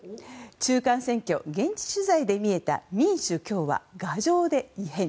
中間選挙、現地取材で見えた民主・共和牙城で異変。